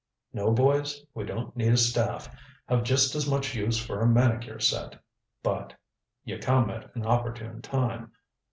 "No, boys we don't need a staff. Have just as much use for a manicure set. But you come at an opportune time.